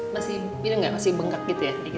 masih bingung gak masih bengkak gitu ya